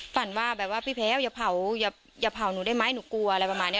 ฝันว่าแบบว่าพี่แพ้วอย่าเผาอย่าเผาหนูได้ไหมหนูกลัวอะไรประมาณนี้